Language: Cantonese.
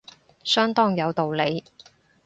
相當有道理